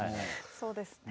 そうですね。